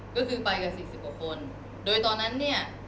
ก็คือไปกันสี่สิบกว่าคนโดยตอนนั้นเนี่ย